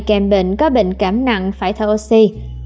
kèm bệnh có bệnh cảm nặng phải thở oxy